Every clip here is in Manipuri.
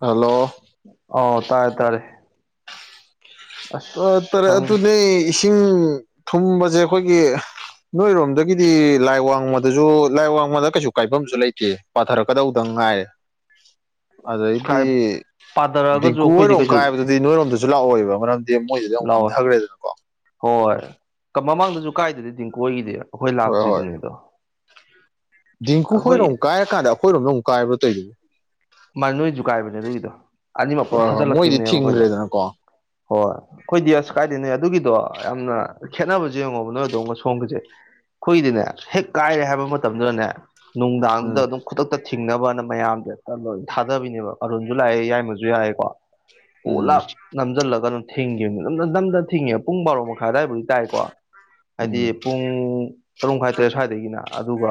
ꯍꯜꯂꯣ ꯑꯥꯎ ꯇꯥꯔꯦ ꯇꯥꯔꯦ ꯑꯁ ꯇꯔꯦꯠ ꯈꯪꯗꯦ ꯑꯗꯨꯅꯦ ꯏꯁꯤꯡ ꯊꯨꯝꯕꯁꯦ ꯑꯩꯈꯣꯏꯒꯤ ꯅꯣꯏꯔꯣꯝꯗꯒꯤꯗꯤ ꯂꯥꯏ ꯋꯥꯡꯃꯗꯁꯨ ꯂꯥꯏ ꯋꯥꯡꯃꯗ ꯀꯩꯁꯨ ꯀꯥꯏꯐꯝꯁꯨ ꯂꯩꯇꯦ ꯄꯥꯊꯔꯛꯀꯗꯧꯗꯪ ꯅꯨꯡꯉꯥꯏ ꯀꯥꯏ ꯑꯗꯩꯗꯤ ꯄꯥꯊꯔꯛꯑꯒꯁꯨ ꯗꯤꯦꯡꯀꯨ ꯑꯩꯈꯣꯏꯗꯤ ꯑꯣꯏꯔꯣꯝ ꯀꯩꯁꯨ ꯀꯥꯏꯕꯗꯨꯗꯤ ꯅꯣꯏꯔꯣꯝꯗꯁꯨ ꯂꯥꯛꯑꯣꯏꯕ ꯃꯔꯝꯗꯤ ꯃꯣꯏꯗꯨꯗꯤ ꯑꯃꯨꯛ ꯂꯥꯛꯑꯣꯑꯣꯦ ꯅꯝꯊꯈ꯭ꯔꯦꯗꯅꯀꯣ ꯍꯣꯏ ꯃꯃꯥꯡꯗꯁꯨ ꯀꯁꯨ ꯀꯥꯏꯗꯗꯤ ꯇꯤꯡꯀꯣꯏꯒꯤꯗꯤ ꯑꯩꯈꯣꯏ ꯂꯥꯛꯇ꯭ꯔꯤꯗꯨꯅꯦ ꯑꯗꯣ ꯗꯤꯦꯡꯀꯨ ꯍꯣꯏꯔꯣꯝ ꯑꯩꯈꯣꯏ ꯀꯥꯏꯔꯀꯥꯟꯗ ꯑꯩꯈꯣꯏꯔꯣꯝꯗ ꯑꯃꯨ ꯀꯥꯏꯕ꯭ꯔꯣ ꯇꯩꯗꯅꯦ ꯃꯥ ꯅꯣꯏ ꯖꯨꯒꯥꯏꯕꯅꯦ ꯑꯗꯨꯒꯤꯗꯣ ꯑꯅꯤꯃꯛ ꯄꯨꯂꯞ ꯍꯣꯏ ꯍꯣꯏ ꯃꯣꯏꯗꯤ ꯊꯥꯖꯤꯜꯂꯛꯈꯤꯕꯅꯦꯕ ꯑꯩꯈꯣꯏꯗ ꯊꯤꯡꯈ꯭ꯔꯦꯗꯅꯀꯣ ꯍꯣꯏ ꯑꯩꯈꯣꯏꯗꯤ ꯑꯁ ꯀꯥꯏꯗ ꯅꯣꯏ ꯑꯗꯨꯒꯤꯗꯣ ꯌꯥꯝꯅ ꯈꯦꯠꯅꯕꯁꯦ ꯌꯦꯡꯉꯣꯕ ꯅꯣꯏ ꯗ ꯁꯣꯝꯒꯤꯁꯦ ꯑꯩꯈꯣꯏꯗꯤꯅꯦ ꯍꯦꯛ ꯀꯥꯏꯔꯦ ꯍꯥꯏꯕ ꯃꯇꯝꯗꯨꯗꯅꯦ ꯅꯨꯡꯗꯥꯡꯗꯨꯗ ꯎꯝ ꯑꯗꯨꯝ ꯈꯨꯗꯛꯇ ꯊꯤꯡꯅꯕꯅ ꯃꯌꯥꯝꯁꯦ ꯊꯥꯗꯕꯤꯅꯦꯕ ꯑꯔꯨꯟꯁꯨ ꯂꯥꯛꯑꯦ ꯌꯥꯏꯃꯁꯨ ꯌꯥꯏꯑꯦꯀꯣ ꯑꯣ ꯎꯝ ꯂꯥꯛ ꯅꯝꯁꯤꯜꯂꯒ ꯑꯗꯨꯝ ꯊꯤꯡꯈꯤꯕꯅꯦ ꯅꯝꯅ ꯅꯝꯗꯅ ꯊꯤꯡꯉꯦ ꯄꯨꯡ ꯕꯥꯔꯣ ꯃꯈꯥꯏ ꯑꯋꯥꯏꯕꯨꯗꯤ ꯇꯥꯏꯀꯣ ꯍꯥꯏꯗꯤ ꯎꯝ ꯄꯨꯡ ꯇꯔꯨꯛ ꯃꯈꯥꯏ ꯇꯔꯦꯠ ꯁ꯭ꯋꯥꯏꯗꯒꯤꯅ ꯑꯗꯨꯒ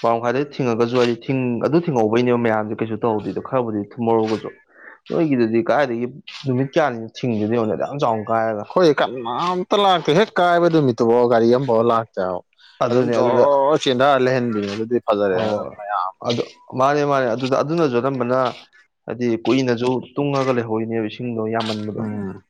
ꯄ ꯃꯈꯥꯏꯗ ꯊꯤꯡꯉꯒꯁꯨ ꯍꯥꯏꯗꯤ ꯊ ꯑꯗꯨ ꯊꯤꯡꯍꯧꯕꯩꯅꯦꯕ ꯃꯌꯥꯝ ꯑꯗꯨ ꯀꯩꯁꯨ ꯇꯧꯗꯦꯗꯣ ꯈꯔꯕꯨꯗꯤ ꯊꯨꯝꯃꯧꯔꯨꯒꯁꯨ ꯅꯣꯏꯒꯤꯗꯨꯗꯤ ꯀꯥꯏꯗꯒꯤ ꯅꯨꯃꯤꯠ ꯀꯌꯥꯅꯤꯅ ꯊꯤꯡꯗꯣꯏꯅꯉ ꯌꯥꯝ ꯆꯥꯎꯅ ꯀꯥꯏꯔꯒ ꯑꯝꯇ ꯂꯥꯛꯇꯦ ꯍꯦꯛ ꯀꯥꯏꯕꯗꯨ ꯃꯤꯇꯨꯕꯣ ꯒꯥꯔꯤ ꯑꯃꯐꯥꯎ ꯂꯥꯛꯇꯑꯣ ꯑꯗꯨꯝ ꯑꯗꯨꯅꯦ ꯖ ꯑꯗꯨꯗ ꯆꯦꯟꯊꯔ ꯂꯩꯍꯟꯕꯤꯅꯤ ꯑꯗꯨꯗꯤ ꯐꯖꯔꯦ ꯍꯣꯏ ꯃꯌꯥꯝ ꯑꯗꯨ ꯃꯥꯅꯦ ꯃꯥꯅꯦ ꯑꯗꯨꯗ ꯑꯗꯨꯅꯁꯨ ꯑꯔꯝꯕꯅ ꯍꯥꯏꯗꯤ ꯀꯨꯏꯅꯁꯨ ꯇꯨꯡꯉꯒ ꯂꯩꯍꯧꯔꯤꯅꯦꯕ ꯏꯁꯤꯡꯗꯣ ꯌꯥꯝꯃꯟꯕꯗꯣ ꯎꯝ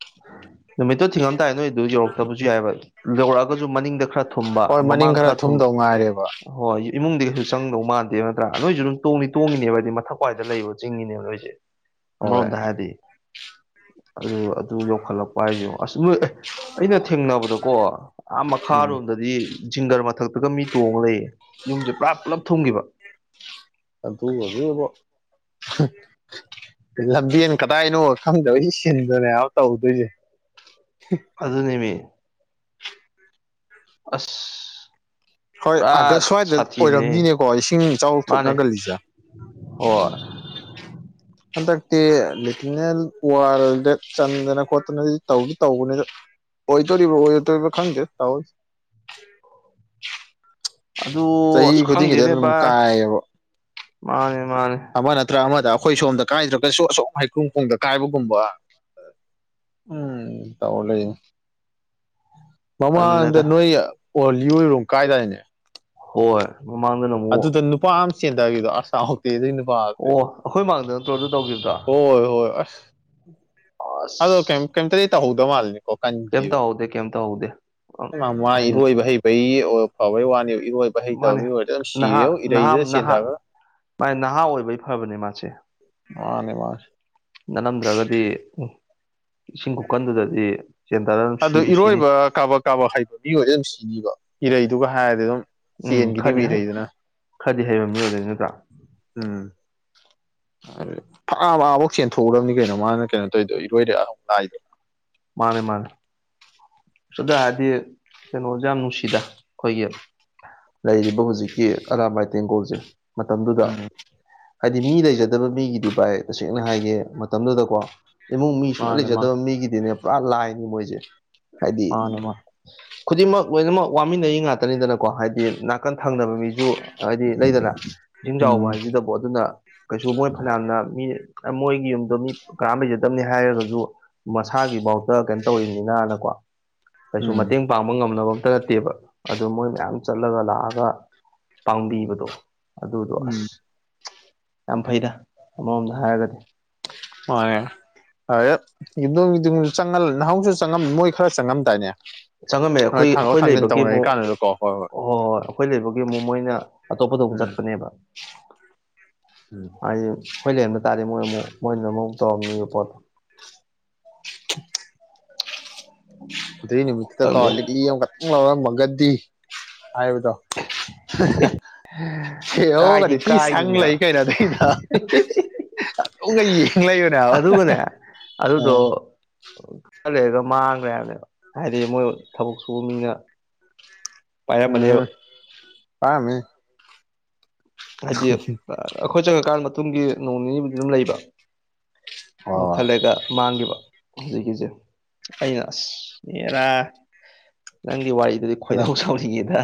ꯅꯨꯃꯤꯠꯇꯣ ꯊꯤꯡꯉꯝꯗꯥ ꯅꯣꯏ ꯑꯗꯨ ꯌꯧꯔꯛꯇꯕꯁꯨ ꯌꯥꯏꯕ ꯌꯧꯔꯛꯑꯒꯁꯨ ꯃꯅꯤꯡꯗ ꯈꯔ ꯊꯨꯝꯕ ꯍꯣꯏ ꯃꯅꯤꯡ ꯃꯃꯥꯡ ꯈꯔ ꯈ꯭ꯔ ꯊꯨꯝꯕ ꯊꯨꯝꯗꯧ ꯉꯥꯏꯔꯦꯕ ꯍꯣꯏ ꯏꯃꯨꯡꯗꯤ ꯀꯩꯁꯨ ꯆꯪꯗꯧ ꯃꯥꯟꯗꯦ ꯅ꯭ꯔꯥ ꯅꯣꯏꯁꯨ ꯑꯗꯨꯝ ꯇꯣꯡꯅꯤ ꯇꯣꯡꯉꯤꯅꯦꯕ ꯍꯥꯏꯗꯤ ꯃꯊꯛ꯭ꯋꯥꯏꯗ ꯂꯩꯕ ꯆꯤꯡꯉꯤꯅꯦꯕ ꯅꯣꯏꯁꯦ ꯍꯣꯏ ꯑꯃꯔꯣꯝꯗ ꯍꯥꯏꯔꯗꯤ ꯑꯗꯨ ꯑꯗꯨ ꯌꯧꯈꯠꯂꯛꯄ ꯍꯥꯏꯁ ꯑꯁ ꯅꯣꯏ ꯑꯦ ꯑꯩꯅ ꯊꯦꯡꯅꯕꯗꯀꯣ ꯑꯥ ꯎꯝ ꯃꯈꯥꯔꯣꯝꯗꯗꯤ ꯁꯤꯡꯒꯔ ꯃꯊꯛꯇꯒ ꯃꯤ ꯇꯣꯡꯉ ꯂꯩꯌꯦꯦ ꯌꯨꯝꯁꯦ ꯄꯨꯔꯥ ꯄꯨꯂꯞ ꯊꯨꯝꯈꯤꯕ ꯑ ꯇ ꯑꯗꯨ ꯂꯝꯕꯦꯟ ꯀꯗꯥꯏꯅꯣ ꯁꯪꯗꯕꯁ ꯁꯤꯟꯗꯅꯦ ꯇꯧꯗꯣꯏꯁꯦ ꯑꯗꯨ ꯑꯗꯨꯅꯦꯃꯤ ꯑꯁ ꯍꯣꯏ ꯄꯨꯔꯥ ꯑꯥꯒꯁ ꯁ꯭ꯋꯥꯏꯗ ꯁꯥꯊꯤꯕꯅꯦ ꯑꯣꯏꯔꯝꯅꯤꯅꯦꯀꯣ ꯏꯁꯤꯡ ꯏꯆꯥꯎꯔ ꯃꯥꯅꯦ ꯊꯣꯛꯅꯒꯜꯂꯤꯁꯦ ꯑꯣ ꯍꯣꯏ ꯍꯟꯗꯛꯇꯤ ꯂꯤꯦꯇꯤꯅꯦꯜ ꯋꯥꯔꯜꯗ ꯆꯟꯗꯅ ꯈꯣꯠꯇꯅ ꯇꯧꯗꯤ ꯇꯧꯕꯅꯤꯗ ꯑꯣꯏ ꯇꯧꯔꯤꯔꯤꯕ ꯑꯣꯏ ꯇꯧꯔꯤꯕ ꯈꯪꯖꯦ ꯇꯋ ꯑꯗꯨ ꯆꯍꯤ ꯑꯁ ꯈꯨꯗꯤꯡꯒꯤꯗ ꯈꯪꯗꯦꯅꯦ ꯑꯗꯨꯝ ꯚꯥꯏ ꯀꯥꯏꯌꯦꯕ ꯃꯥꯅꯦ ꯃꯥꯅꯦ ꯑꯃ ꯅꯠꯇ꯭ꯔ ꯑꯃꯗ ꯑꯩꯈꯣꯏ ꯁꯣꯝꯗ ꯀꯥꯏꯗ꯭ꯔꯒꯁꯨ ꯑꯁꯣ ꯍꯩꯈꯨ ꯄꯨꯡꯗ ꯀꯥꯏꯕꯒꯨꯝꯕ ꯎꯝ ꯇꯍ ꯂꯩ ꯃꯃꯥꯡꯗ ꯇꯜꯂꯦꯗ ꯅꯣꯏ ꯑꯣꯜꯂꯤꯣꯏꯔꯣ ꯀꯥꯏꯗꯥꯏꯅꯦ ꯍꯣꯏ ꯃꯃꯥꯡꯗꯅ ꯑꯃꯨꯛ ꯆꯤꯡꯟ ꯀꯗꯣ ꯑꯁꯛꯇ ꯑꯗꯨꯅ ꯄꯦ ꯑꯣ ꯑꯩꯈꯣꯏ ꯃꯥꯡꯗ ꯅꯠꯇ꯭ꯔꯣ ꯑꯗꯨ ꯇꯧꯈꯤꯕꯗꯣ ꯍꯣꯏ ꯍꯣꯏ ꯑꯁ ꯑꯗꯣ ꯑꯁ ꯀꯩ ꯀꯩꯝꯇ ꯇꯧꯍꯧꯗꯧ ꯃꯥꯜꯅꯤ ꯀꯣ ꯀꯩꯝ ꯀꯟꯈꯤꯕ ꯇꯧꯍꯧꯗꯦ ꯀꯩꯝ ꯇꯧꯍꯧꯗꯦ ꯃꯥ ꯍꯥꯏꯗꯤ ꯏꯔꯣꯏꯕ ꯍꯩꯕꯩ ꯐꯕꯩ ꯋꯥꯅꯦ ꯏꯔꯣꯏꯕ ꯍꯩꯇꯕ ꯃꯥꯅꯦ ꯃꯤꯑꯣꯏ ꯑꯣꯏ ꯅꯍꯥ ꯅꯍꯥ ꯅꯍꯥ ꯃꯥꯥꯏ ꯅꯍꯥ ꯑꯣꯏꯕꯒꯤ ꯐꯕꯅꯦ ꯃꯥꯁꯦ ꯃꯥꯅꯦ ꯃꯥꯁ ꯅꯅꯝꯗ꯭ꯔꯒꯗꯤ ꯎ ꯏꯁꯤꯡ ꯀꯀꯟꯗꯨꯗꯗꯤ ꯑꯗꯨ ꯏꯔꯣꯏꯕ ꯀꯥꯕꯛ ꯀꯥꯕꯛ ꯍꯩꯕ ꯃꯤ ꯑꯣꯏꯗ ꯑꯗꯨꯝ ꯁꯤꯅꯤꯕ ꯏꯔꯩꯗꯨꯒ ꯍꯥꯏꯔꯗꯤ ꯑꯗꯨꯝ ꯎꯝ ꯆꯦꯟꯈꯤꯅꯤꯕ ꯈꯔꯗꯤ ꯍꯩ ꯏꯔꯩꯗꯨꯅ ꯈꯔꯗꯤ ꯍꯩꯕ ꯃꯤꯑꯣꯏꯗꯅꯤ ꯅꯠꯇ ꯎꯝ ꯑꯗꯨ ꯐꯛꯑꯕꯐꯥꯎ ꯆꯦꯟꯊꯣꯛꯎꯔꯕꯅꯤ ꯀꯩꯅꯣ ꯃꯥꯅ ꯀꯩꯅꯣ ꯇꯧꯔꯤꯗꯣ ꯏꯔꯣꯏꯔ ꯑꯃꯨꯛ ꯂꯥꯛꯏꯗꯣ ꯃꯥꯅꯦ ꯃꯥꯅꯦ ꯁꯗꯔꯗꯤ ꯀꯩꯅꯣꯁꯦ ꯌꯥꯝ ꯅꯨꯡꯁꯤꯗ ꯑꯩꯈꯣꯏꯒꯤ ꯂꯩꯔꯤꯕ ꯍꯧꯖꯤꯛꯀꯤ ꯑꯔꯥꯝꯃꯥꯏ ꯇꯦꯡꯒꯣꯜꯁꯦ ꯃꯇꯝꯗꯨꯗ ꯎꯝ ꯍꯥꯏꯗꯤ ꯃꯤ ꯂꯩꯖꯗꯕ ꯃꯤꯒꯤꯗꯤ ꯚꯥꯏ ꯇꯁꯦꯡꯅ ꯍꯥꯏꯒꯦ ꯃꯇꯝꯗꯨꯗꯀꯣ ꯏꯃꯨꯡ ꯃꯤ ꯁꯨꯡꯂ ꯃꯥꯅꯦ ꯃꯥ ꯂꯩꯖꯗꯕ ꯃꯤꯒꯤꯗꯤꯅꯦ ꯄꯨꯔꯥ ꯂꯥꯏꯅꯤ ꯃꯣꯏꯁꯦ ꯍꯥꯏꯗꯤ ꯃꯥꯅꯦ ꯃꯥ ꯈꯨꯗꯤꯡꯃꯛ ꯂꯣꯏꯅꯃꯛ ꯋꯥꯃꯤꯟꯅꯔꯤ ꯉꯥꯛꯇꯅꯤꯗꯅꯀꯣ ꯍꯥꯏꯗꯤ ꯅꯥꯀꯟ ꯊꯪꯅꯕ ꯃꯤꯁꯨ ꯍꯥꯏꯗꯤ ꯂꯩꯗꯅ ꯏꯁꯤꯡ ꯆꯥꯎꯕ ꯎꯝ ꯍꯥꯏꯁꯤꯗꯕꯨ ꯑꯗꯨꯅ ꯀꯩꯁꯨ ꯃꯣꯏ ꯐꯅꯌꯥꯝꯅ ꯃꯤ ꯃꯣꯏꯒꯤ ꯌꯨꯝꯗꯣ ꯃꯤ ꯀꯥꯝ ꯂꯩꯩꯖꯗ ꯈꯤꯕꯅꯤ ꯍꯥꯏꯔꯒꯁꯨ ꯃꯁꯥꯒꯤꯐꯥꯎꯇ ꯀꯩꯅꯣ ꯇꯧꯅꯤꯅꯅꯀꯣ ꯀꯩꯁꯨ ꯎꯝ ꯃꯇꯦꯡ ꯄꯥꯡꯕ ꯉꯝꯅꯕ ꯐꯠꯇ ꯅꯠꯇꯦꯕ ꯑꯗꯨ ꯃꯣꯏ ꯃꯌꯥꯝ ꯆꯠꯂꯒ ꯂꯥꯛꯑꯒ ꯄꯥꯡꯕꯤꯕꯗꯣ ꯑꯗꯨꯗꯣ ꯎꯝ ꯑꯁ ꯌꯥꯝ ꯐꯩꯗ ꯑꯃꯃꯣꯝꯗ ꯍꯥꯏꯔꯒꯗꯤ ꯍꯉꯦ ꯍ ꯌꯨꯝꯗꯣꯡ ꯌꯣꯡꯁꯨ ꯆꯪ ꯅꯍꯧꯁꯨ ꯆꯉ ꯃꯣꯏ ꯈꯔ ꯆꯪꯉꯝꯗꯥꯏꯅꯦ ꯆꯪꯉꯝꯃꯦ ꯍꯣꯏ ꯑꯩꯈꯣꯏ ꯊꯥꯡꯒꯠ ꯑꯩꯈꯣꯏ ꯊꯥꯡꯖꯤꯟ ꯂꯩꯕꯒꯤ ꯑꯃꯨꯛ ꯇꯧꯅꯔꯤꯀꯥꯟꯗꯨꯗꯀꯣ ꯍꯣꯏ ꯍ ꯍꯣꯏ ꯑꯩꯈꯣꯏ ꯂꯩꯕꯒꯤ ꯑꯃꯨꯛ ꯃꯣꯏꯅ ꯑꯇꯣꯞꯄꯗ ꯑꯃꯨꯛ ꯎꯝ ꯆꯠꯄꯅꯦꯕ ꯍꯥꯏ ꯍꯣꯏ ꯂꯩꯝꯅ ꯇꯥꯔꯦ ꯃꯣꯏ ꯑꯃꯨꯛ ꯃꯣꯏꯅ ꯑꯃꯨꯛ ꯇꯝꯅꯤ ꯄꯠꯇ ꯑꯗꯨꯗꯩ ꯅꯨꯃꯤꯠꯇꯨꯗ ꯈꯪꯗꯦ ꯇꯧꯜꯂꯤꯛꯂꯤ ꯑꯃ ꯈꯛꯇꯪ ꯂꯧꯥꯎꯔꯝꯃꯒꯗꯤ ꯍꯥꯏꯕꯗꯣ [inaudible] ꯍ ꯑꯣꯣ ꯀꯥꯏꯗꯤ ꯀꯗꯤꯇꯤ ꯁꯪ ꯂꯩ ꯀꯥꯏꯈꯤꯕꯅꯦꯕ ꯀꯩꯅꯣꯗꯗ ꯀꯩ ꯌꯦ ꯂꯩꯣꯅꯦ ꯑ ꯑꯗꯨꯒꯅꯦ ꯑꯗꯨꯗꯣ ꯈꯔ ꯂꯩꯔꯒ ꯃꯥꯡꯈ꯭ꯔꯦ ꯍꯥꯏꯕꯅꯦꯕ ꯍꯥꯏꯗꯤ ꯃꯣꯏ ꯊꯕꯛ ꯁꯨꯕ ꯃꯤꯅ ꯄꯔ ꯃꯂ ꯄꯥꯝꯃꯤꯃꯦ ꯍꯥꯏꯗꯤ ꯑꯩꯈꯣꯏ ꯆꯪꯉꯀꯥꯟ ꯃꯇꯨꯡꯒꯤ ꯅꯣꯡ ꯅꯤꯅꯤꯕꯨꯗꯤ ꯑꯗꯨꯝ ꯂꯩꯕ ꯍꯣꯏ ꯑꯗꯨ ꯍꯣꯏ ꯈꯜꯂꯒ ꯃꯥꯡꯈꯤꯕ ꯍꯧꯖꯤꯛꯀꯤꯁꯦ ꯑꯩꯅ ꯑꯁꯅꯦꯔꯥ ꯅꯪꯒꯤ ꯋꯥꯔꯤ ꯑꯗꯨꯗꯤ ꯈꯣꯏꯗ ꯁꯥꯎꯔꯤꯉꯦꯗ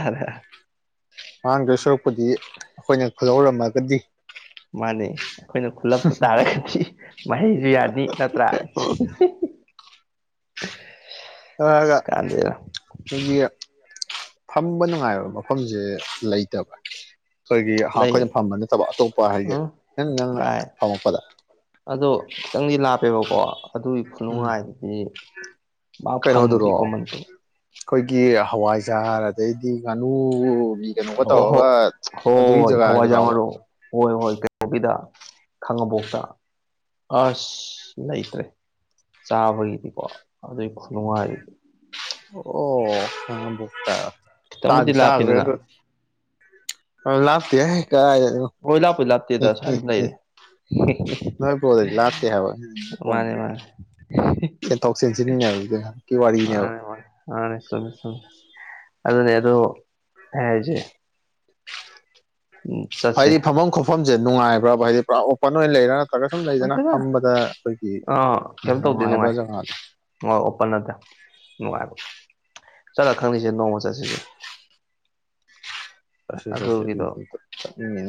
ꯃꯥꯡꯗ ꯁꯨꯔꯛꯄꯨꯗꯤ ꯑꯩꯈꯣꯏꯅ ꯈꯍꯧꯔꯝꯃꯒꯗꯤ ꯃꯥꯅꯦ ꯑꯩꯈꯣꯏꯅ ꯈꯨꯜꯂꯝꯄ ꯇꯥꯔꯒꯗꯤ ꯃꯍꯩꯁꯨ ꯌꯥꯅꯤ ꯅꯠꯇ꯭ꯔꯥ ꯍꯒ ꯀꯥꯟꯗꯦꯗ ꯌꯦꯌꯥ ꯐꯝꯕ ꯅꯨꯡꯉꯥꯏꯕ ꯃꯐꯝꯁꯦ ꯂꯩꯇꯕ ꯑꯩꯈꯣꯏꯒꯤ ꯂꯩ ꯑꯩꯈꯣꯏꯅ ꯐꯝꯕ ꯅꯠꯇꯕ ꯑꯇꯣꯞꯄ ꯍꯥꯏꯁꯦ ꯎꯝ ꯅꯪ ꯅꯪꯅ ꯕꯥꯏ ꯐꯝꯃꯛꯄꯗ ꯑꯗꯣ ꯈꯤꯇꯪꯗꯤ ꯂꯥꯞꯄꯦꯕꯀꯣ ꯑꯗꯨꯒꯤ ꯎꯝ ꯈꯨꯅꯨꯡꯉꯥꯏꯗꯤ ꯀꯩꯅꯣꯗꯨꯔꯣ ꯑꯩꯈꯣꯏꯒꯤ ꯍꯋꯥꯏꯖꯥꯔ ꯑꯗꯩꯗꯤ ꯉꯥꯅꯨ ꯑꯣ ꯍꯣ ꯑꯗꯨꯒꯤ ꯍꯣꯏꯣꯏ ꯍꯋꯥꯖꯥꯃꯨ ꯖꯒꯥꯗꯨꯔꯕ ꯍꯣꯏ ꯍꯣꯏ ꯀꯩꯕꯤꯗ ꯈꯥꯡꯉꯕꯣꯛꯇ ꯑꯁ ꯂꯩꯇ꯭ꯔꯦ ꯆꯥꯕꯒꯤꯗꯤꯀꯣ ꯑꯗꯨꯒꯤ ꯈꯨꯅꯨꯡꯉꯥꯏꯔꯗꯤ ꯑꯣꯛꯇ ꯈꯤꯇꯪꯕꯨꯗꯤ ꯇꯕꯤꯗꯒ꯭ꯔꯦ ꯂꯥꯞꯄꯤꯗꯅ ꯑꯗꯨ ꯂꯥꯛꯇ ꯀ ꯍꯣꯏ ꯂꯥꯞꯄꯨꯗꯤ ꯂꯥꯞꯇꯦꯗ ꯁ꯭ꯋꯥꯏ ꯑꯗꯨꯝ ꯂꯩꯔꯦ ꯅ ꯀ ꯂꯥꯁꯇ ꯍꯥꯏꯕ ꯃꯥꯅꯦ ꯃꯥꯅꯦ ꯆꯦꯟꯊꯣꯛ ꯆꯦꯟꯁꯤꯟꯉꯕ ꯑꯅꯦ ꯃꯥꯅꯦꯃꯦꯃꯦ ꯑꯗꯨꯅꯦ ꯑ ꯑꯗꯨꯣ ꯍꯥꯏꯆꯦ ꯍꯥꯏꯗꯤ ꯐꯝꯐꯝ ꯈꯣꯠꯐꯝꯁꯦ ꯅꯨꯡꯉꯥꯏꯕ꯭ꯔꯥꯕ ꯍꯥꯏꯗꯤ ꯄꯨꯔꯥ ꯑꯣꯄꯟ ꯑꯣꯏꯅ ꯂꯩꯔ ꯅ꯭ꯔꯒ ꯁꯨꯝ ꯂꯩꯗꯅ ꯑꯣꯏꯗꯦꯗ ꯐꯝꯕꯗ ꯑꯩꯈꯣꯏꯒꯤ ꯅꯨꯡꯉꯥꯏꯕ ꯖꯒꯥꯗꯣ ꯃ ꯑꯣꯄꯗ ꯅꯅꯨꯡꯉꯥꯏꯔꯣ ꯆꯂ ꯈꯪꯅꯤꯁ ꯅꯣꯡꯃ ꯆꯥꯁꯤꯁ ꯆꯁꯦ ꯆꯁꯦ ꯑꯗꯨ ꯇ ꯇ ꯆꯅꯤ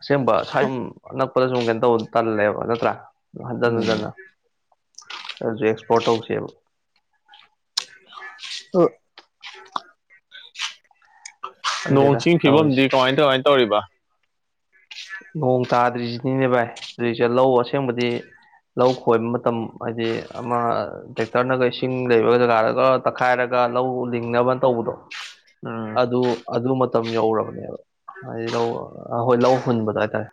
ꯑꯁꯦꯡꯕ ꯁ꯭ꯋꯥꯏꯨꯝ ꯑ ꯅꯛꯄꯗ ꯁꯨꯝ ꯀꯩꯅꯣ ꯇꯧ ꯇꯜꯂꯦꯕ ꯅꯠꯇ꯭ꯔꯥ ꯍꯟꯖꯤꯟ ꯎꯝ ꯍꯟꯖꯤꯟꯅ ꯑꯗꯨꯁꯨ ꯑꯦꯛꯁꯄꯣꯔꯠ ꯇꯧꯁꯦꯕ ꯑꯣ ꯅꯣꯡ ꯈꯪꯗꯦꯗ ꯆꯤꯡ ꯇꯧꯔꯤꯁꯦ ꯐꯤꯕꯝꯗꯤ ꯀꯃꯥꯏ ꯀꯃꯥꯏꯅ ꯇꯧꯔꯤꯕ ꯅꯣꯡ ꯇꯥꯗ꯭ꯔꯤꯁꯤꯅꯤꯅꯦ ꯚꯥꯏ ꯑꯗꯨꯁꯦ ꯂꯧ ꯑꯁꯦꯡꯕꯗꯤ ꯂꯧ ꯈꯣꯏꯕ ꯃꯇꯝ ꯍꯥꯏꯗꯤ ꯑꯃ ꯇꯦꯛꯇꯔꯅꯒ ꯏꯁꯤꯡ ꯂꯩꯕꯒ ꯖꯒꯥꯗꯒ ꯇꯛꯈꯥꯏꯔꯒ ꯂꯧ ꯂꯤꯡꯅꯕꯅ ꯇꯧꯕꯗꯣ ꯎꯝ ꯑꯗꯨ ꯑꯗꯨ ꯃꯇꯝ ꯌꯧꯔꯕꯅꯦꯕ ꯍꯥꯏꯗꯤ ꯂꯧ ꯍꯣꯏ ꯂꯧ ꯍꯨꯟꯕꯗ ꯍꯥꯏꯇꯥꯔꯦ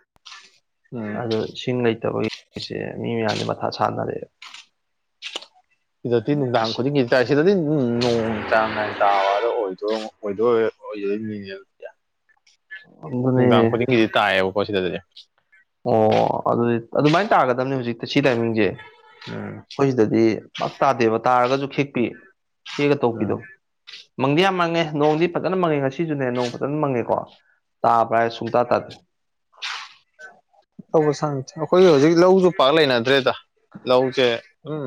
ꯎꯝ ꯑꯗ ꯏꯁꯤꯡ ꯂꯩꯇꯕꯒꯤ ꯑꯩꯁꯦ ꯃꯤ ꯃꯌꯥꯝꯒꯤ ꯃꯊꯥ ꯁꯥꯟꯅꯔꯦ ꯁꯤꯗꯗꯤ ꯅꯨꯡꯗꯥꯡ ꯈꯨꯗꯤꯡꯒꯤ ꯇ ꯁꯤꯗꯗꯤꯝ ꯅꯣꯡ ꯆꯥꯡ ꯅꯥꯏꯅ ꯇꯥꯔ ꯑꯣꯏꯗꯣꯏ ꯑꯣꯏꯗꯣꯏꯔꯅꯦ ꯑꯗꯨꯅꯦ ꯅꯨꯡꯗꯥꯡ ꯈꯨꯗꯤꯡꯒꯤꯗꯤ ꯇꯥꯛꯑꯦꯕ ꯄꯣꯁꯤꯗ ꯑꯗꯨꯗꯤ ꯑꯣ ꯑꯗꯨꯗꯤ ꯑꯗꯨꯃꯥꯏꯅ ꯇꯥꯒꯗꯝꯕꯅꯤ ꯍꯧꯖꯤꯛꯇ ꯁꯤ ꯇꯥꯏꯃꯤꯡꯁꯦ ꯎꯝ ꯑꯩꯈꯣꯏ ꯁꯤꯗꯗꯤ ꯄꯞ ꯇꯥꯗꯦꯕ ꯇꯥꯔꯒꯁꯨ ꯈꯤꯛꯄꯤ ꯁꯤꯒ ꯎꯝ ꯇꯧꯕꯄꯤꯗꯣ ꯃꯪꯗꯤ ꯌꯥꯝ ꯃꯪꯉꯦ ꯅꯣꯡꯗꯤ ꯐꯖꯅ ꯃꯪꯉꯦ ꯉꯁꯤꯁꯨꯅꯦ ꯅꯣꯡ ꯐꯖꯅ ꯃꯪꯉꯦꯀꯣ ꯇꯥ ꯄ꯭ꯔꯥꯏ ꯁꯨꯨꯡꯇꯥ ꯇꯗꯤ ꯇꯧꯕ ꯁꯅꯦ ꯑꯩꯈꯣꯏ ꯍꯧꯖꯤꯛ ꯂꯧꯁꯨ ꯄꯥꯛ ꯂꯩꯅꯗ꯭ꯔꯦꯗ ꯂꯧꯁꯦ ꯎꯝ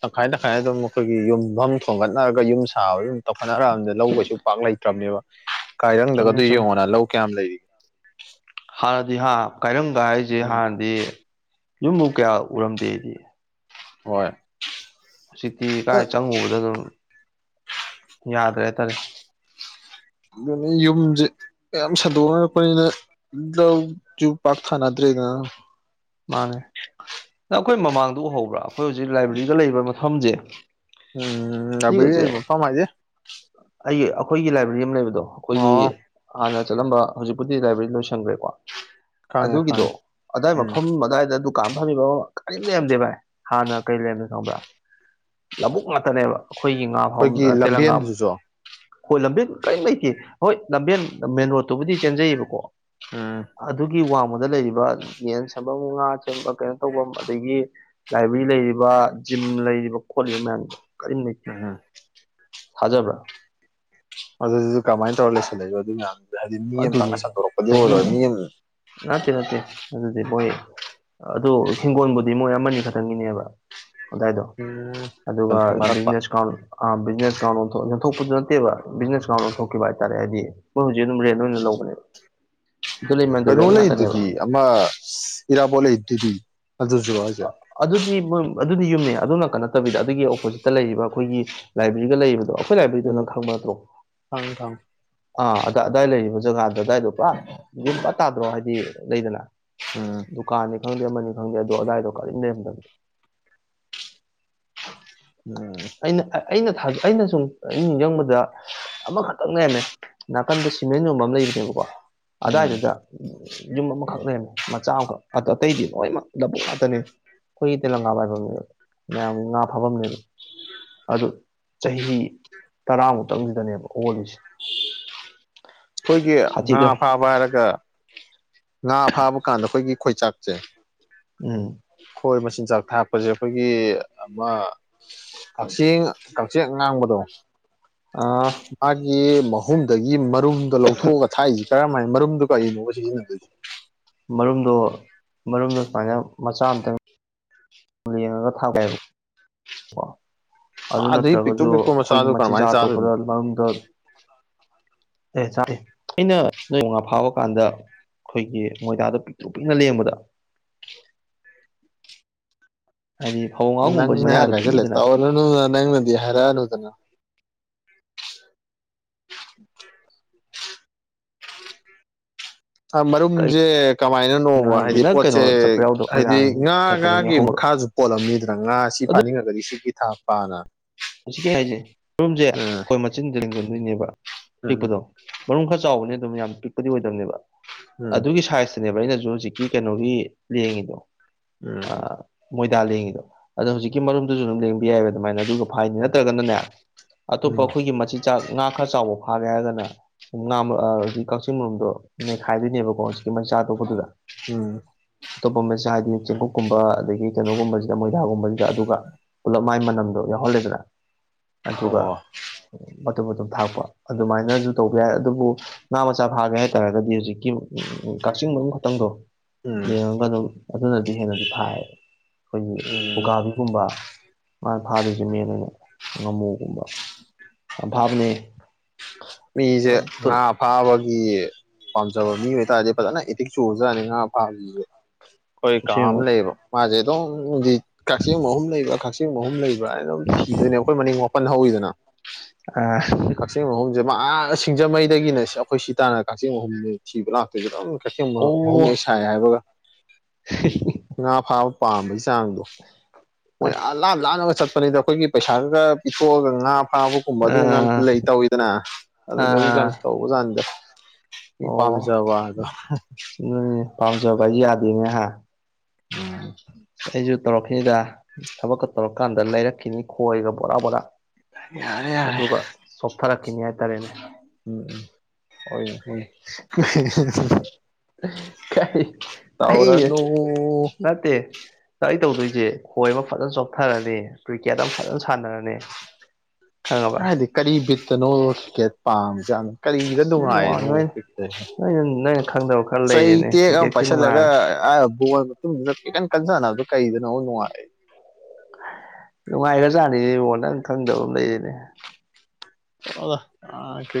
ꯇꯪꯈꯥꯏ ꯇꯪꯈꯥꯏꯅ ꯑꯗꯨꯝ ꯑꯩꯈꯣꯏꯒꯤ ꯌꯨꯝ ꯃꯐꯝ ꯊꯣꯡꯒꯠꯅꯔꯒ ꯌꯨꯝ ꯁꯥꯕ ꯌꯨꯝ ꯇꯧꯈꯠꯅꯔꯑꯕ ꯂꯧꯧꯕꯩꯁꯨ ꯄꯥꯛ ꯂꯩꯇ꯭ꯔꯕꯅꯦꯕ ꯆꯨꯝꯃꯦ ꯀꯥꯏꯔꯪꯗꯒꯗꯨ ꯆꯨꯝꯃꯦ ꯌꯦꯡꯉꯣꯅ ꯂꯧ ꯀꯌꯥꯝ ꯂꯩꯔꯤꯒꯦ ꯍꯥꯟꯅꯗꯤ ꯍꯥ ꯀꯥꯏꯔꯪꯒ ꯍꯥꯏꯁꯦ ꯎꯝ ꯍꯥꯟꯅꯗꯤ ꯌꯨꯝꯕꯨ ꯀꯌꯥ ꯎꯔꯝꯗꯦ ꯑꯩꯗꯤ ꯍꯣꯏ ꯍꯧꯖꯤꯛꯇꯤ ꯀꯥꯏ ꯆꯪꯉꯨꯕꯗ ꯑꯗꯨꯝ ꯌꯥꯗ꯭ꯔꯦ ꯍꯥꯏꯇꯥꯔꯦ ꯑꯗꯨ ꯌꯨꯝꯁꯦ ꯌꯥꯝ ꯁꯟꯗꯣꯛꯅꯔꯛꯄꯅꯤꯅ ꯂꯧꯁꯨ ꯄꯥꯛꯔ ꯊꯥꯅꯗ꯭ꯔꯦ ꯒ ꯃꯥꯅꯦ ꯅꯪ ꯑꯩꯈꯣꯏ ꯃꯃꯥꯡꯗ ꯎꯍꯧꯕ꯭ꯔꯥ ꯑꯩꯈꯣꯏ ꯍꯧꯖꯤꯛ ꯂꯥꯏꯕ꯭ꯔꯦꯔꯤꯗ ꯂꯩꯕ ꯃꯐꯝꯁꯦ ꯎꯝ ꯑꯕ ꯁꯤꯒꯁꯦ ꯃꯄ ꯃꯥꯁꯦ ꯑꯩꯒꯤ ꯑꯩꯈꯣꯏꯒꯤ ꯂꯥꯏꯕ꯭ꯔꯦꯔꯤ ꯑꯃ ꯂꯩꯕꯗꯣ ꯑꯩꯈꯣꯏꯒꯤ ꯑꯣ ꯍꯥꯟꯅ ꯆꯠꯂꯝꯕ ꯍꯧꯖꯤꯛꯄꯨꯗꯤ ꯂꯥꯏꯕ꯭ꯔꯦꯔꯤ ꯂꯣꯏꯁꯟꯈ꯭ꯔꯦꯀꯣ ꯈꯪꯉꯦ ꯑꯗꯨꯒꯤꯗꯣ ꯈꯪꯉꯦ ꯑꯗꯥꯏ ꯎꯝ ꯃꯐꯝ ꯑꯗꯨꯗꯥꯏꯗ ꯀꯥꯝ ꯐꯝꯃꯤꯕ ꯑꯃ ꯀꯔꯤꯝ ꯂꯩꯔꯝꯗꯦ ꯚꯥꯏ ꯍꯥꯟꯅ ꯀꯔꯤ ꯂꯩꯔꯝꯗ ꯈꯪꯕ꯭ꯔꯥ ꯂꯧꯕꯨꯛ ꯉꯥꯛꯇꯅꯦꯕ ꯑꯩꯈꯣꯏꯒꯤ ꯉꯥ ꯐꯥꯎ ꯑꯩꯈꯣꯏꯒꯤ ꯇꯦꯂꯪꯒꯥ ꯂꯝꯕꯦꯟꯗꯨꯁꯨ ꯍꯣꯏ ꯂꯝꯕꯦꯟ ꯀꯔꯤꯝ ꯂꯩꯇꯦ ꯍꯣꯏ ꯂꯝꯕꯦꯟ ꯃꯦꯟ ꯔꯣꯗꯠꯇꯨꯕꯨꯗꯤ ꯆꯦꯟꯖꯩꯌꯦꯕꯀꯣ ꯎꯝ ꯑꯗꯨꯒꯤ ꯋꯥꯡꯃꯗ ꯂꯩꯔꯤꯕ ꯌꯦꯟꯁ ꯁꯦꯝꯐꯝ ꯉꯥ ꯁꯦꯝ ꯀꯩꯅꯣ ꯇꯧꯐꯝ ꯑꯗꯒꯤ ꯂꯥꯏꯕ꯭ꯔꯦꯔꯤ ꯂꯩꯔꯤꯕ ꯖꯤꯝ ꯂꯩꯔꯤꯕ ꯈꯣ ꯃꯦꯟꯗꯣ ꯑ ꯍꯖꯕ꯭ꯔꯥ ꯑꯗꯨꯗꯨꯗꯤ ꯀꯃꯥꯏꯅ ꯇꯧꯔ ꯂꯩꯁꯜꯂꯛꯏꯣ ꯑꯗꯨ ꯃꯌꯥꯝ ꯑꯗꯨꯅꯦ ꯆꯍꯤ ꯑꯃ ꯅꯅꯥꯠꯇꯦ ꯅꯠꯇꯦ ꯑꯗꯨꯗꯤ ꯃꯣꯏ ꯑꯗꯨ ꯍꯤꯡꯒꯣꯜꯕꯨꯗꯤ ꯃꯣꯏ ꯑꯃꯅꯤ ꯈꯛꯇꯪꯒꯤꯅꯦꯕ ꯑꯏꯗꯣ ꯎꯝ ꯆꯟꯊꯣꯛꯅꯔꯛꯄ ꯑꯗꯨꯒꯕꯤꯅꯦꯁ ꯀꯥꯎ ꯣꯛꯄ ꯅꯠꯇꯦꯕ ꯕꯤꯅꯦꯈꯤꯕ ꯍꯥꯏꯇꯥꯔꯦ ꯍꯥꯏꯗꯤꯣꯏ ꯍꯧꯛ ꯅꯣꯏꯅ ꯂꯧꯕꯅꯦ ꯀꯩꯅꯣ ꯂꯩꯗꯨꯗꯤ ꯑꯃ ꯏꯔꯥꯕꯣꯠ ꯂꯩꯗꯨꯗꯤ ꯑꯗꯨꯁꯨꯔꯣ ꯍꯥꯏꯁꯦ ꯑꯗꯨꯗꯤ ꯑꯗꯨꯗꯤ ꯌꯨꯝꯅꯦ ꯑꯗꯨꯅ ꯀ ꯅꯠꯇꯕꯤꯗ ꯑꯗꯨꯒꯤ ꯑꯣꯄꯣꯖꯤꯠꯇ ꯂꯩꯔꯤꯕ ꯑꯩꯈꯣꯏꯒꯤ ꯂꯥꯏꯕ꯭ꯔꯦꯔꯤꯒ ꯂꯩꯔꯤꯕꯗꯣ ꯑꯩꯈꯣꯏ ꯂꯥꯏꯕ꯭ꯔꯦꯔꯤꯗ ꯎꯝ ꯅꯪ ꯈꯪꯕ ꯅꯠꯇ꯭ꯔꯣ ꯈꯪꯉꯦ ꯈꯪꯉꯦ ꯑꯥ ꯑ ꯑꯗꯥꯏ ꯂꯩꯔꯤꯕ ꯖꯒꯥꯗ ꯑꯗꯨꯗꯥꯏꯗꯣ ꯄꯨꯔꯥ ꯌꯨꯝ ꯄ ꯇꯥꯗ꯭ꯔꯣ ꯍꯥꯏꯗꯤ ꯂꯩꯗꯅ ꯗꯨꯀꯥꯟꯅꯤ ꯈꯪꯗꯦ ꯑꯃꯅꯤ ꯈꯪꯗꯦ ꯑꯗꯣ ꯑꯗꯥꯏꯗꯣ ꯀꯔꯤꯝ ꯅꯦꯝꯗꯒꯦ ꯎꯝ ꯑꯩꯅꯥꯖ ꯑꯩꯅ ꯁꯨꯝ ꯅꯤꯡꯁꯤꯡꯕꯗ ꯑꯃꯈꯛꯇꯪ ꯅꯦꯝꯃꯦ ꯅꯥꯀꯟꯗ ꯁꯤꯃꯦꯟ ꯌꯣꯟꯕ ꯑꯃ ꯂꯩꯕꯅꯦꯕꯀꯣ ꯎꯝ ꯑꯗꯨꯗꯥꯏꯗꯨꯗ ꯌꯨꯝ ꯑꯃꯈꯛ ꯂꯩꯔꯝꯃꯦ ꯃꯆꯥ ꯑꯃꯈꯛ ꯑꯣ ꯑꯇꯩꯗꯤ ꯂꯣꯏꯃꯛ ꯂꯕꯨꯨꯛ ꯉꯥꯛꯇꯅꯤ ꯑꯩꯈꯣꯏꯒꯤ ꯇꯦꯂꯪꯒꯥ ꯄꯥꯏꯐꯝꯅꯦꯗ ꯃꯌꯥꯝꯒꯤ ꯉꯥ ꯐꯥꯐꯝꯅꯦ ꯑꯗꯨ ꯑꯗꯨ ꯆꯍꯤ ꯇꯔꯥꯃꯨꯛꯇꯪꯁꯤꯗꯅꯦꯕ ꯑꯣꯜꯂꯤꯁꯦ ꯑꯩꯈꯣꯏꯒꯤ ꯉꯥ ꯁꯥꯊꯤꯗ꯭ꯔꯣ ꯐꯥꯕ ꯍꯥꯏꯔꯒ ꯉꯥ ꯐꯥꯕ ꯀꯥꯟꯗ ꯑꯩꯈꯣꯏꯒꯤ ꯈꯣꯏꯆꯥꯛꯁꯦ ꯎꯝ ꯈꯣꯏ ꯃꯆꯤꯟꯖꯥꯛ ꯊꯥꯛꯄꯁꯦ ꯑꯩꯈꯣꯏꯒꯤ ꯑꯃ ꯀꯛꯆꯦꯡ ꯀꯛꯆꯦꯡ ꯉꯥꯡꯕꯗꯣ ꯃꯥꯒꯤ ꯃꯍꯨꯝꯗꯒꯤ ꯃꯔꯨꯝꯗꯣ ꯂꯧꯊꯣꯛꯑꯒ ꯊꯥꯛꯏꯁꯤ ꯀꯔꯝꯥꯏꯅ ꯃꯔꯨꯝꯗꯨꯣ ꯀꯩꯅꯣꯕ ꯁꯤꯖꯤꯟꯅꯗꯣꯏꯁꯦ ꯃꯔꯨꯝꯗꯣ ꯃꯔꯨꯝꯗꯣ ꯁꯨꯃꯥꯏꯅ ꯃꯆꯥ ꯑꯃꯝꯇꯪ ꯊꯥꯎꯥꯏꯕ ꯑꯗꯨ ꯑꯗꯨꯒꯤ ꯄꯤꯛꯇ꯭ꯔꯨ ꯅꯠꯇ꯭ꯔꯒꯁꯨ ꯄꯤꯛꯄ ꯑꯩꯈꯣꯏꯒꯤ ꯃꯆꯥꯗꯨ ꯀꯔꯃꯥꯏꯅ ꯃꯆꯤꯟꯖꯥꯛ ꯑꯇꯣꯞꯄꯗ ꯆꯥꯗꯣꯏꯅꯣ ꯃꯅꯨꯡꯗ ꯑꯦ ꯆꯥꯛ ꯑꯩꯅ ꯅꯣꯏ ꯃꯉꯥ ꯐꯥꯕ ꯀꯥꯟꯗ ꯑꯩꯈꯣꯏꯒꯤ ꯃꯣꯏꯗꯥꯗ ꯄꯤꯛꯇꯣ ꯄꯤꯛꯅ ꯂꯦꯡꯕꯗ [inaudible] ꯍꯥꯏꯗꯤ ꯐꯧ ꯉꯥꯎꯒꯨꯝꯕꯁꯤ ꯅꯪꯅꯦ ꯃꯌꯥꯗꯣ ꯍꯥꯏꯥꯏꯆ ꯂꯩꯦ ꯄꯤꯛꯏꯗꯅ ꯇꯧꯔꯅ ꯅꯪꯅꯗꯤ ꯍꯥꯏꯔꯅꯨꯗꯅ [inaudible] ꯑ ꯀꯩꯅꯣ ꯃꯔꯔꯨꯝꯖꯦ ꯀꯃꯥꯏꯅꯅꯣꯕ ꯍꯥꯏꯁꯦ ꯍꯥꯏꯗꯤ ꯅꯪ ꯄꯣꯠꯁꯦ ꯀꯩꯅꯣ ꯆꯠꯄ ꯌꯥꯎꯗ꯭ꯔꯣ ꯍꯥꯏꯗꯤ ꯃꯣꯏꯔꯥꯡ ꯉꯥ ꯆꯠꯄ ꯑꯗꯨꯝ ꯉꯥꯒꯤ ꯌꯥꯎꯍꯧꯕ꯭ꯔꯣ ꯃꯈꯥꯁꯨ ꯄꯣꯠꯂꯝꯃꯤꯗꯅ ꯑꯗ ꯉꯥꯁꯤ ꯐꯥꯅꯤꯡꯉꯒꯗꯤ ꯁꯤꯒꯤ ꯊꯥꯛ ꯄꯥꯅ ꯃꯁꯤ ꯀꯩ ꯍꯥꯏꯁꯦ ꯔꯨꯝꯁꯦ ꯑꯩꯈꯣꯏ ꯃꯆꯤꯟꯗ ꯂꯤꯡꯁꯤꯟꯗꯣꯏꯅꯦꯕ ꯎꯝ ꯄꯤꯛꯄꯗꯣ ꯃꯔꯨꯝ ꯈꯔ ꯆꯥꯎꯕꯅꯦ ꯑꯗꯨꯝ ꯌꯥꯝ ꯄꯤꯛꯄꯗꯤ ꯑꯣꯏꯗꯝꯅꯦꯕ ꯑꯗꯨꯒꯤ ꯁꯥꯏꯖꯇꯅꯦꯕ ꯑꯩꯅꯁꯨ ꯍꯧꯖꯤꯛꯀꯤ ꯀꯩꯅꯣꯒꯤ ꯂꯦꯡꯉꯤꯗꯣ ꯎꯝ ꯎꯝ ꯑ ꯃꯣꯏꯗꯥ ꯂꯦꯡꯉꯤꯗꯣ ꯑꯗꯣ ꯍꯧꯖꯤꯛꯀꯤ ꯃꯔꯨꯝꯗꯨꯁꯨ ꯑꯗꯨꯝ ꯂꯦꯡꯕ ꯌꯥꯏꯕ ꯑꯗꯨꯃꯥꯏꯅ ꯑꯗꯨꯒ ꯐꯥꯏꯅꯤ ꯅꯠꯇ꯭ꯔꯒꯅꯅꯦ ꯑꯇꯣꯞꯄ ꯎꯝ ꯑꯩꯈꯣꯏꯒꯤ ꯃꯆꯤꯟꯖꯥꯛ ꯉꯥ ꯈꯔ ꯆꯥꯎꯕ ꯐꯥꯔꯦ ꯍꯥꯏꯔꯒꯅ ꯁ ꯍꯧꯖꯤꯛ ꯀꯛꯆꯤꯡ ꯃꯔꯨꯝꯗꯣ ꯅꯩꯈꯥꯏꯗꯣꯏꯅꯦꯕꯀꯣ ꯀꯃ ꯆꯥ ꯇꯣꯛ ꯀꯣꯗꯨꯗ ꯎꯝ ꯑꯇꯣꯞꯄ ꯑꯃꯁꯦ ꯍꯥꯏꯗꯤ ꯆꯦꯡꯀꯨꯞꯣꯛꯀꯨꯝꯕ ꯑꯗꯒꯤ ꯀꯩꯅꯣꯒꯨꯝꯕꯁꯤꯗ ꯃꯣꯏꯗꯥꯥꯒꯨꯝꯕꯁꯤꯗ ꯑꯗꯨꯒ ꯄꯨꯂꯞ ꯃꯥꯏ ꯃꯅꯝꯗꯣ ꯌꯥꯎꯍꯜꯂꯦꯗꯅ ꯑꯗꯨꯒ ꯑꯣ ꯑꯗꯨꯝ ꯑꯗꯨꯝ ꯊꯥꯛꯄ ꯑꯗꯨꯃꯥꯏꯅꯁꯨ ꯇꯧꯕ ꯌꯥꯏ ꯑꯗꯨꯕꯨ ꯉꯥ ꯃꯆꯥ ꯐꯥꯒꯦ ꯍꯥꯏꯇꯥꯔꯒꯗꯤ ꯍꯧꯖꯤꯛꯀꯤ ꯎꯝ ꯎ ꯀꯛꯆꯤꯡ ꯃꯅꯨꯡ ꯈꯛꯇꯪꯗꯣ ꯎꯝ ꯌꯦꯡꯉꯒ ꯑꯗꯨꯝ ꯑꯗꯨꯅꯗꯤ ꯍꯦꯟꯅꯗꯤ ꯐꯥꯏ ꯑꯩꯈꯣꯏꯒꯤ ꯎꯝ ꯎꯀꯥꯕꯤꯒꯨꯝꯕ ꯃꯥꯒꯤ ꯐꯥꯗꯣꯏꯁꯦ ꯃꯦꯅꯅꯦ ꯉꯥꯃꯨꯒꯨꯝꯕ ꯐꯥꯕ ꯃꯤꯁꯦ ꯉꯥ ꯐꯥꯕꯒꯤ ꯄꯥꯝꯖꯕ ꯃꯤ ꯑꯣꯏꯇꯥꯔꯗꯤ ꯐꯖꯅ ꯏꯇꯤꯛ ꯆꯨꯔꯖꯥꯅꯤꯅ ꯄꯥꯝꯁꯤꯁꯨꯦ ꯑꯩꯈꯣꯏ ꯀꯥ ꯑꯃ ꯁꯤꯡꯕ ꯂꯩꯕ ꯃꯥꯁꯦ ꯑꯗꯨꯝ ꯀꯛꯆꯤꯡ ꯑꯍꯨꯝ ꯂꯩꯕ ꯀꯛꯆꯤꯡ ꯑꯍꯨꯝ ꯂꯩꯕ ꯑꯗꯨꯝ ꯊꯤꯗꯣꯏꯅꯦꯕ ꯑꯩꯈꯣꯏ ꯃꯅꯤꯡ ꯃꯥꯄꯟ ꯍꯧꯋꯤꯗꯅ ꯑ ꯀꯛꯆꯤꯡ ꯃꯐꯝꯁꯦ ꯃꯥ ꯁꯤꯡꯖꯃꯩꯗꯒꯤꯅ ꯑꯩꯈꯣꯏ ꯁꯤ ꯇꯥꯟꯅ ꯀꯛꯆꯤꯡ ꯃꯐꯝ ꯊꯤꯕ ꯂꯥꯛꯇꯣꯏꯁꯨ ꯑꯗꯨꯝ ꯀꯁꯦꯡꯕ ꯑꯍꯨꯝꯂ ꯑꯣ ꯁꯥꯏ ꯍꯥꯏꯕꯒ ꯉꯥ ꯐꯥꯕ ꯄꯥ ꯆꯥꯡꯗꯣ ꯃꯣꯏ ꯑꯁ ꯂꯥꯥꯟ ꯂꯥꯥꯟꯂꯒ ꯆꯠꯄꯅꯤꯗ ꯑꯩꯈꯣꯏꯒꯤ ꯄꯩꯁꯥ ꯈ ꯈ ꯄꯤꯊꯣꯛꯑꯒ ꯉꯥ ꯐꯥꯕꯒꯨꯝꯕ ꯑꯗꯨꯒꯨꯝꯕ ꯑꯇ ꯑꯥ ꯂꯩ ꯇꯧꯋꯤꯗꯅ ꯑꯗꯨꯗꯨꯗꯒꯤ ꯀ ꯑꯥ ꯇꯧꯕꯖꯥꯅꯤꯗ ꯑꯣ ꯁꯤ ꯄꯝꯖ ꯌꯦꯡꯉꯦ ꯑ ꯑꯩꯁꯨ ꯇꯧꯔꯛꯈꯤꯗ ꯊꯕꯛꯀ ꯇꯧꯔꯀꯥꯟꯗ ꯂꯩꯔꯛꯈꯤꯅꯤ ꯈꯣꯏꯔꯒ ꯕꯣꯔꯥ ꯕꯣꯔꯥ ꯌꯥꯔꯦ ꯌꯥꯔꯦ ꯑꯗꯨꯒ ꯆꯣꯛꯊꯔꯛꯈꯤꯅꯤ ꯍꯥꯏꯇꯥꯔꯦꯅꯦ ꯍ ꯀ ꯀ ꯅ ꯇꯔꯤ ꯇꯧꯗꯣꯏꯁꯦ ꯈꯣꯏ ꯑꯃ ꯐꯖꯅ ꯆꯣꯊꯔꯅꯤ ꯀ꯭ꯔꯤꯛꯀꯦꯠ ꯑꯃ ꯐꯖꯅ ꯁꯥꯟꯅꯔꯅꯤ ꯈꯪꯉꯕ ꯍꯥꯏꯗꯤ ꯀꯔꯤ ꯕꯤꯠꯇꯅꯣꯒꯦ ꯄꯥꯝꯖꯥꯠꯅꯣ ꯀꯔꯤꯗ ꯑꯁ ꯅꯨꯡꯉꯥꯏꯔꯤꯅꯣ ꯅꯣꯏ ꯄꯤꯛꯇꯔꯤꯦ ꯅꯣꯏꯅ ꯅꯣꯏꯅ ꯈꯪꯗꯕ ꯈꯔ ꯆꯩ ꯂꯩꯔꯦꯅꯦ ꯇꯦꯛ ꯑꯃ ꯀ꯭ꯔꯤꯛꯀꯦꯠꯀꯤ ꯄꯥꯏꯁꯤꯜꯂꯒ ꯅꯨꯡꯉꯥꯏ ꯃꯇꯨꯡ ꯆꯠꯀꯦ ꯀ ꯀꯟꯖꯅꯕꯗꯣ ꯀꯩꯗꯅ ꯅꯨꯡꯉꯥꯏ ꯅꯨꯡꯉꯥꯏꯈ꯭ꯔꯖꯥꯠꯅꯤꯅꯦ ꯏꯕꯉꯣꯟ ꯅꯪ ꯈꯪꯗꯕ ꯑꯃ ꯂꯩꯔꯤꯅꯦ ꯑꯣꯗ ꯑ ꯀ